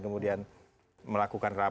kemudian melakukan rapat